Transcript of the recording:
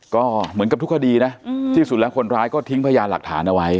ก็เหมือนกับทุกคดีนะที่สุดแล้วคนร้ายก็ทิ้งพยานหลักฐานเอาไว้